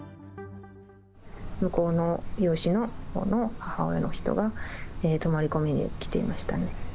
向こうの養子の母親の人が泊まり込みで来てましたね。